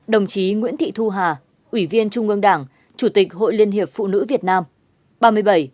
ba mươi sáu đồng chí nguyễn thị thu hà ủy viên trung ương đảng chủ tịch hội liên hiệp phụ nữ việt nam